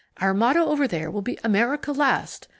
Our motto over there will be America Last!